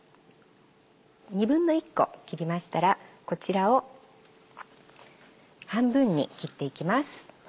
１／２個切りましたらこちらを半分に切っていきます。